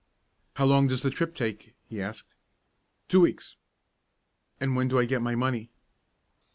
"How long does the trip take?" he asked. "Two weeks." "An' when do I get my money?"